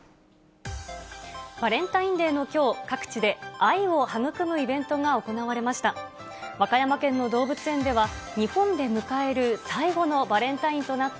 バレンタインデーのきょう、各地で愛を育むイベントが行われました。